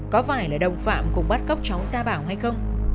có phải là đồng phạm cùng bắt cóc chóng xa bảo hay không